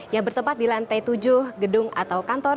yang bertempat di lantai tujuh gedung atau kantor